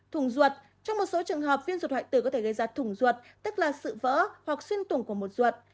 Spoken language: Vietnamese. thùng ruột trong một số trường hợp viêm ruột hoại tử có thể gây ra thủng ruột tức là sự vỡ hoặc xuyên tùng của một ruột